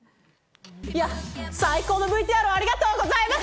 最高のＶＴＲをありがとうございます。